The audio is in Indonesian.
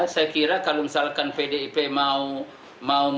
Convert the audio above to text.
saya kira kalau misalkan pdip mau